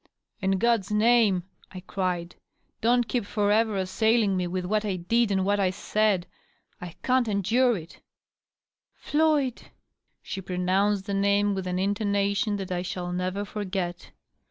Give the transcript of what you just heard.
" In God's name," I cried, " don't keep forever assailing me with what I did and what I said 1 I can't endure it I" DOUGLAS DUANE. 625 ^' Floyd!" She pronouDoed the name with an intonation that I shall never forget.